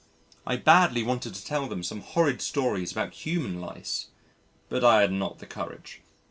I badly wanted to tell them some horrid stories about human lice but I had not the courage.